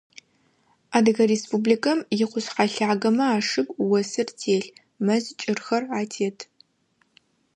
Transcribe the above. Адыгэ Республикэм икъушъхьэ лъагэмэ ашыгу осыр телъ, мэз кӏырхэр атет.